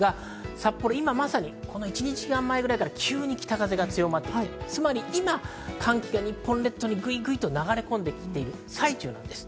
札幌は今、まさに急に北風が強まって今、寒気が日本列島にぐいぐいと流れ込んで来ている最中です。